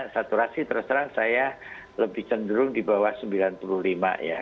saturasi terus terang saya lebih cenderung di bawah sembilan puluh lima ya